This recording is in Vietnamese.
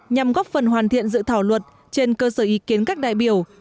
nhằm góp phần hoàn thiện dự thảo luật trên cơ sở ý kiến các đại biểu